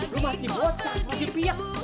lo masih bocah masih piak